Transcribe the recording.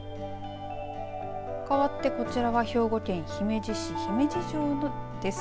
かわってこちらは兵庫県姫路市、姫路城です。